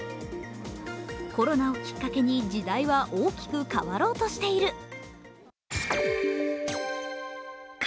コロナをきっかけに時代は大きく変わろうとしている。